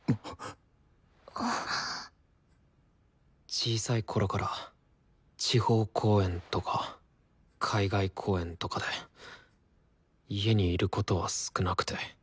小さいころから地方公演とか海外公演とかで家にいることは少なくて。